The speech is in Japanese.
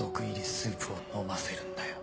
スープを飲ませるんだよ。